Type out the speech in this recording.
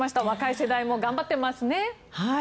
若い世代も頑張っていますね。